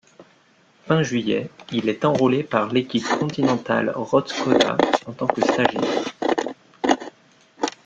Fin juillet, il est enrôlé par l'équipe continentale Roth-Škoda, en tant que stagiaire.